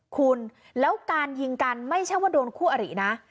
คุณแล้วการยิงกันไม่ใช่ว่าโดนคู่อรินะ